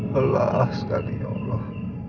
lelah sekali ya allah